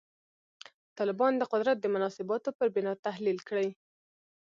طالبان د قدرت د مناسباتو پر بنا تحلیل کړي.